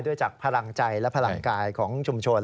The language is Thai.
จากพลังใจและพลังกายของชุมชน